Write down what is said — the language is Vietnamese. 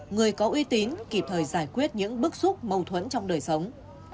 người có uy tín kịp thời giải quyết những bức xúc mâu thuẫn trong đời sống